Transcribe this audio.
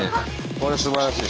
これすばらしい。